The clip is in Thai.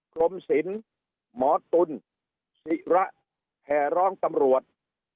กรมศิลป์หมอตุลศิระแห่ร้องตำรวจ